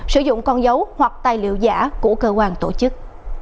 sử dụng con dấu hoặc tài liệu giả của cơ quan tổ chức